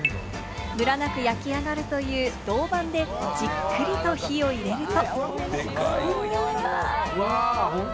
むらなく焼き上がるという銅板でじっくりと火を入れると。